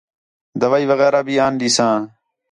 دوائی وغیرہ بھی آن ݙیساں